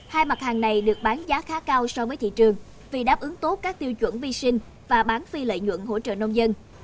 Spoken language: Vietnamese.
hai mặt hàng này được bán giá khá cao so với thị trường vì đáp ứng tốt các tiêu chuẩn vi sinh và bán phi lợi nhuận hỗ trợ nông dân